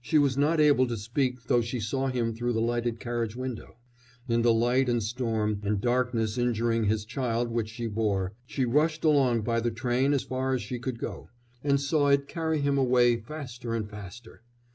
She was not able to speak though she saw him through the lighted carriage window; in the night and storm, and darkness, injuring his child which she bore, she rushed along by the train as far as she could go, and saw it carry him away faster and faster.